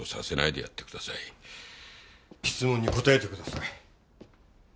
質問に答えてください。